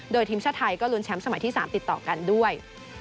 โดยทีมชาติไทยก็ลุ้นแชมป์สมัยที่๓ติดต่อกันด้วย